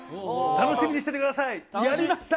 楽しみにしててください、やりました。